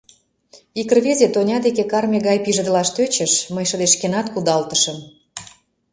Ик рвезе Тоня деке карме гай пижедылаш тӧчыш, мый шыдешкенат кудалтышым.